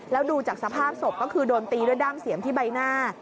แล้วดูจากสภาพศพก็คือโดนตีด้วยด้ามเสียมที่ใบหน้า